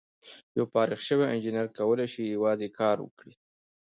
یو فارغ شوی انجینر کولای شي یوازې کار وکړي.